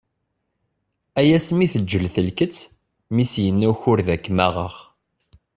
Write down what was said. Ay asmi teǧǧel telket, mi s-yenna ukured ad kem-aɣeɣ!